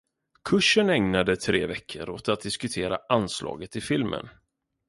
Kursen ägnade tre veckor åt att diskutera anslaget i filmen.